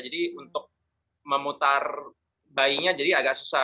jadi untuk memutar bayinya jadi agak susah